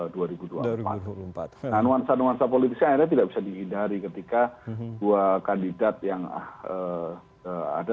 dan nuansa nuansa politisnya akhirnya tidak bisa dihindari ketika dua kandidat yang ada